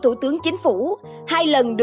thủ tướng chính phủ hai lần được